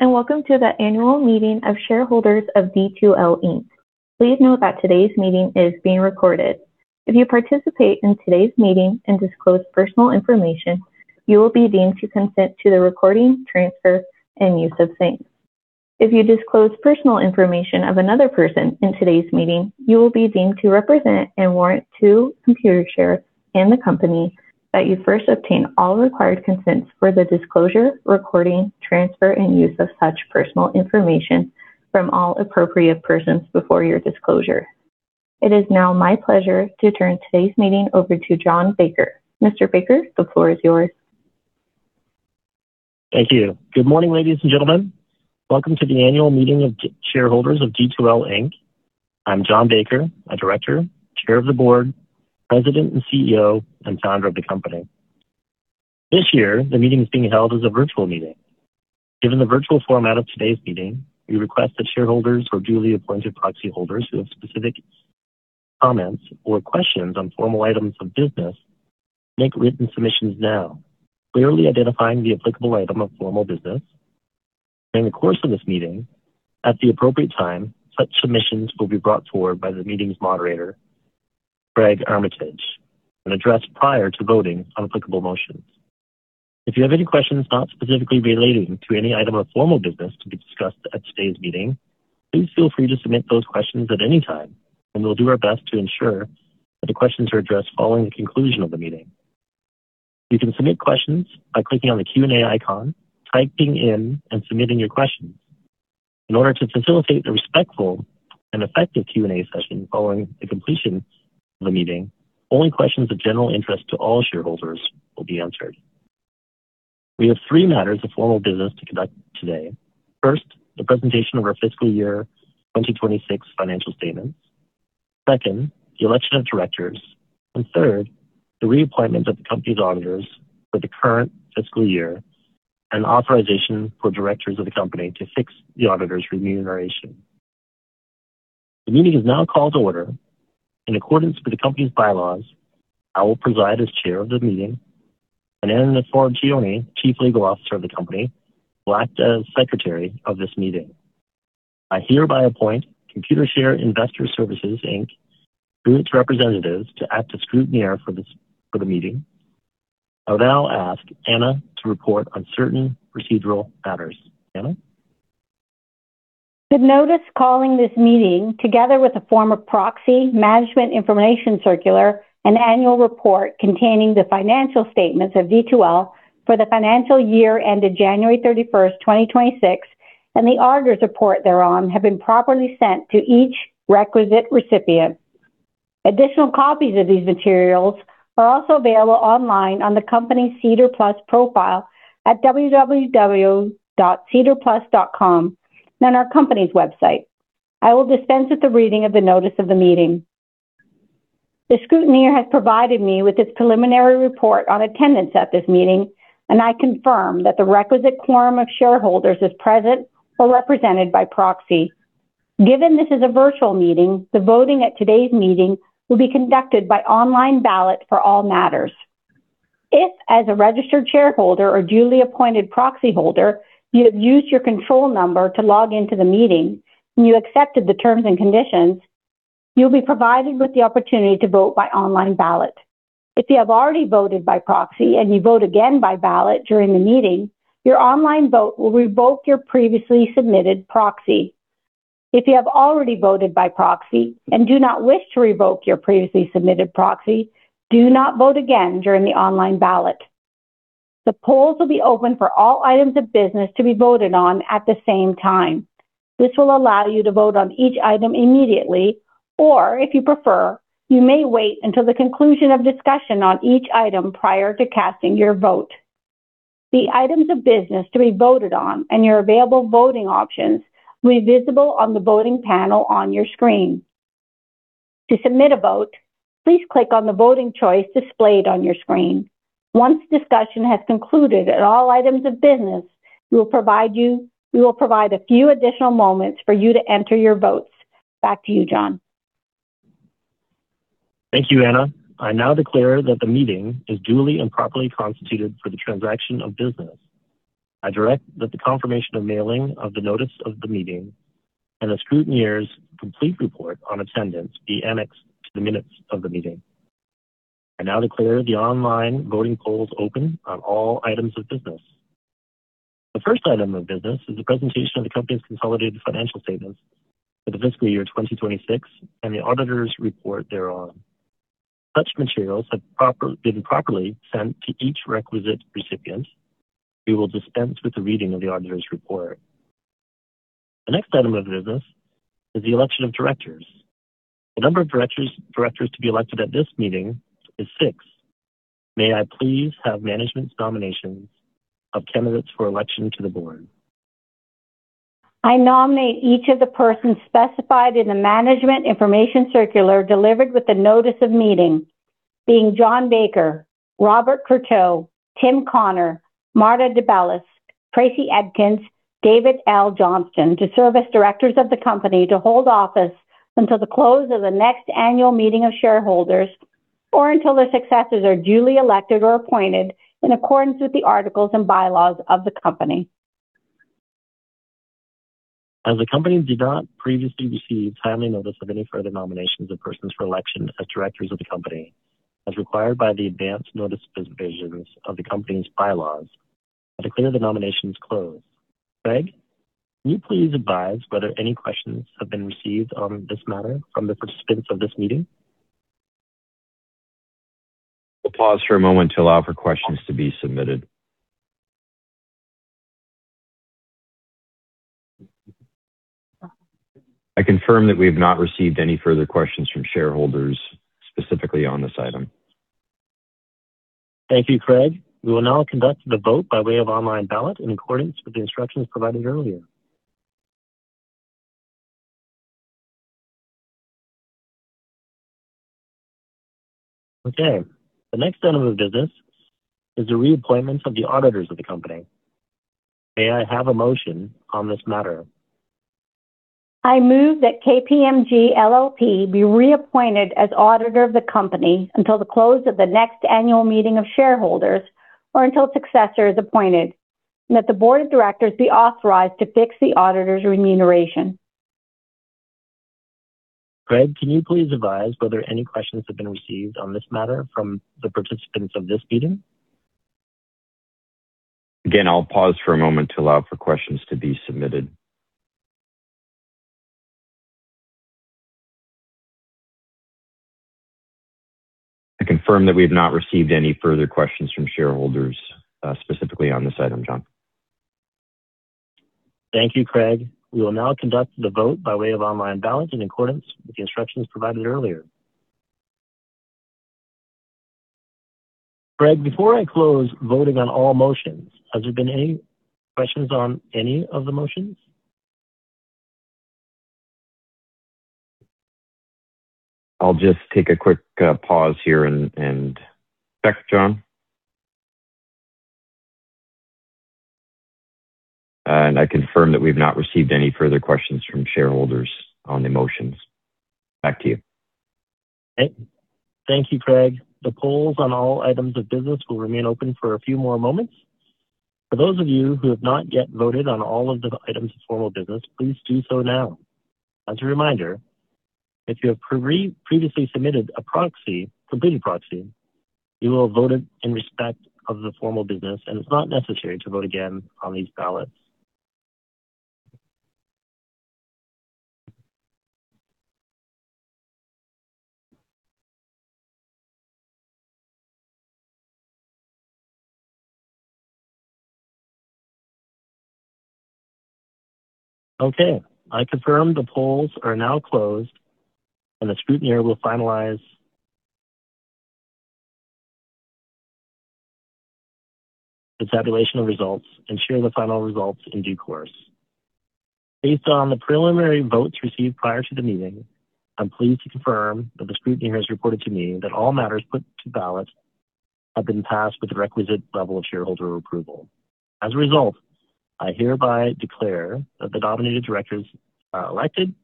Hello, welcome to the Annual Meeting of Shareholders of D2L Inc. Please note that today's meeting is being recorded. If you participate in today's meeting and disclose personal information, you will be deemed to consent to the recording, transfer, and use of same. If you disclose personal information of another person in today's meeting, you will be deemed to represent and warrant to Computershare and the company that you first obtain all required consents for the disclosure, recording, transfer, and use of such personal information from all appropriate persons before your disclosure. It is now my pleasure to turn today's meeting over to John Baker. Mr. Baker, the floor is yours. Thank you. Good morning, ladies and gentlemen. Welcome to the Annual Meeting of Shareholders of D2L Inc. I'm John Baker, a Director, Chair of the Board, President and CEO, and Founder of the company. This year, the meeting is being held as a virtual meeting. Given the virtual format of today's meeting, we request that shareholders or duly appointed proxy holders who have specific comments or questions on formal items of business make written submissions now, clearly identifying the applicable item of formal business. During the course of this meeting, at the appropriate time, such submissions will be brought forward by the meeting's moderator, Craig Armitage, and addressed prior to voting on applicable motions. If you have any questions not specifically relating to any item of formal business to be discussed at today's meeting, please feel free to submit those questions at any time. We'll do our best to ensure that the questions are addressed following the conclusion of the meeting. You can submit questions by clicking on the Q&A icon, typing in and submitting your questions. In order to facilitate a respectful and effective Q&A session following the completion of the meeting, only questions of general interest to all shareholders will be answered. We have three matters of formal business to conduct today. First, the presentation of our fiscal year 2026 financial statements. Second, the election of directors. Third, the reappointment of the company's auditors for the current fiscal year and authorization for directors of the company to fix the auditors' remuneration. The meeting is now called to order. In accordance with the company's bylaws, I will preside as Chair of the meeting. Anna Forgione, Chief Legal Officer of the company, will act as Secretary of this meeting. I hereby appoint Computershare Investor Services Inc, through its representatives, to act as scrutineer for the meeting. I will now ask Anna to report on certain procedural matters. Anna? The notice calling this meeting, together with a form of proxy, management information circular, and annual report containing the financial statements of D2L for the financial year ended January 31st, 2026, and the auditor's report thereon, have been properly sent to each requisite recipient. Additional copies of these materials are also available online on the company's SEDAR+ profile at www.sedarplus.com and on our company's website. I will dispense with the reading of the notice of the meeting. The scrutineer has provided me with its preliminary report on attendance at this meeting, and I confirm that the requisite quorum of shareholders is present or represented by proxy. Given this is a virtual meeting, the voting at today's meeting will be conducted by online ballot for all matters. If, as a registered shareholder or duly appointed proxy holder, you have used your control number to log into the meeting and you accepted the terms and conditions, you'll be provided with the opportunity to vote by online ballot. If you have already voted by proxy and you vote again by ballot during the meeting, your online vote will revoke your previously submitted proxy. If you have already voted by proxy and do not wish to revoke your previously submitted proxy, do not vote again during the online ballot. The polls will be open for all items of business to be voted on at the same time. This will allow you to vote on each item immediately, or if you prefer, you may wait until the conclusion of discussion on each item prior to casting your vote. The items of business to be voted on and your available voting options will be visible on the voting panel on your screen. To submit a vote, please click on the voting choice displayed on your screen. Once discussion has concluded on all items of business, we will provide a few additional moments for you to enter your votes. Back to you, John. Thank you, Anna. I now declare that the meeting is duly and properly constituted for the transaction of business. I direct that the confirmation of mailing of the notice of the meeting and the scrutineer's complete report on attendance be annexed to the minutes of the meeting. I now declare the online voting polls open on all items of business. The first item of business is the presentation of the company's consolidated financial statements for the fiscal year 2026 and the auditor's report thereon. Such materials have been properly sent to each requisite recipient. We will dispense with the reading of the auditor's report. The next item of business is the election of directors. The number of directors to be elected at this meeting is six. May I please have management's nominations of candidates for election to the board? I nominate each of the persons specified in the management information circular delivered with the notice of meeting, being John Baker, Robert Courteau, Tim Connor, Marta DeBellis, Tracy Edkins, David L. Johnston, to serve as directors of the company to hold office until the close of the next annual meeting of shareholders or until their successors are duly elected or appointed in accordance with the articles and bylaws of the company. As the company did not previously receive timely notice of any further nominations of persons for election as directors of the company, as required by the advance notice provisions of the company's bylaws, I declare the nominations closed. Craig, can you please advise whether any questions have been received on this matter from the participants of this meeting? We'll pause for a moment to allow for questions to be submitted. I confirm that we have not received any further questions from shareholders, specifically on this item. Thank you, Craig. We will now conduct the vote by way of online ballot in accordance with the instructions provided earlier. Okay. The next item of business is the reappointment of the auditors of the company. May I have a motion on this matter? I move that KPMG LLP be reappointed as auditor of the company until the close of the next annual meeting of shareholders or until a successor is appointed, and that the board of directors be authorized to fix the auditor's remuneration. Craig, can you please advise whether any questions have been received on this matter from the participants of this meeting? I'll pause for a moment to allow for questions to be submitted. I confirm that we have not received any further questions from shareholders, specifically on this item, John. Thank you, Craig. We will now conduct the vote by way of online ballot in accordance with the instructions provided earlier. Craig, before I close voting on all motions, has there been any questions on any of the motions? I'll just take a quick pause here and check, John. I confirm that we've not received any further questions from shareholders on the motions. Back to you. Okay. Thank you, Craig. The polls on all items of business will remain open for a few more moments. For those of you who have not yet voted on all of the items of formal business, please do so now. As a reminder, if you have previously submitted a proxy, for voting proxy, you will have voted in respect of the formal business, and it's not necessary to vote again on these ballots. Okay. I confirm the polls are now closed. The scrutineer will finalize the tabulation of results and share the final results in due course. Based on the preliminary votes received prior to the meeting, I'm pleased to confirm that the scrutineer has reported to me that all matters put to ballot have been passed with the requisite level of shareholder approval. As a result, I hereby declare that the nominated directors are elected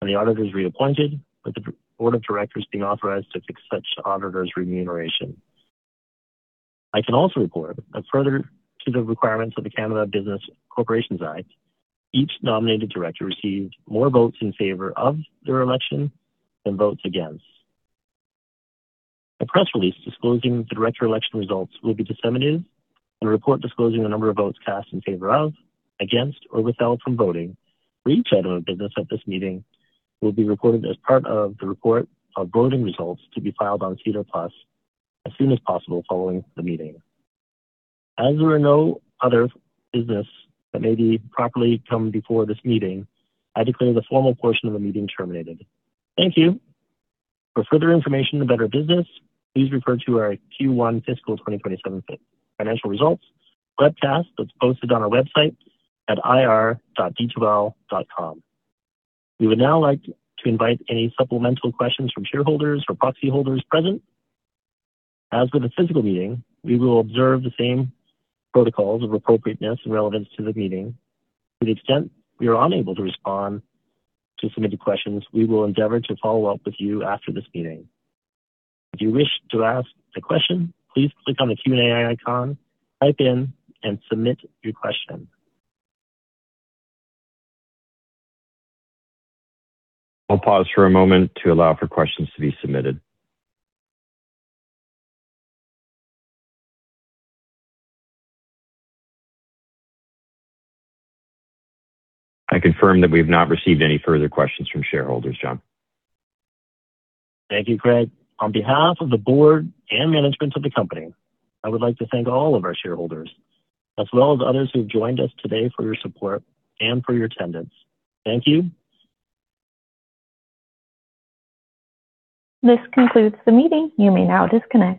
and the auditor is reappointed with the board of directors being authorized to fix such auditor's remuneration. I can also report that further to the requirements of the Canada Business Corporations Act, each nominated director received more votes in favor of their election than votes against. A press release disclosing the director election results will be disseminated. A report disclosing the number of votes cast in favor of, against, or withheld from voting for each item of business at this meeting will be recorded as part of the report of voting results to be filed on SEDAR+ as soon as possible following the meeting. As there are no other business that may be properly come before this meeting, I declare the formal portion of the meeting terminated. Thank you. For further information on better business, please refer to our Q1 fiscal 2027 financial results webcast that's posted on our website at ir.d2l.com. We would now like to invite any supplemental questions from shareholders or proxy holders present. As with a physical meeting, we will observe the same protocols of appropriateness and relevance to the meeting. To the extent we are unable to respond to submitted questions, we will endeavor to follow up with you after this meeting. If you wish to ask a question, please click on the Q&A icon, type in and submit your question. I'll pause for a moment to allow for questions to be submitted. I confirm that we've not received any further questions from shareholders, John. Thank you, Craig. On behalf of the board and management of the company, I would like to thank all of our shareholders as well as others who've joined us today for your support and for your attendance. Thank you. This concludes the meeting. You may now disconnect.